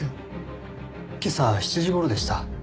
今朝７時頃でした。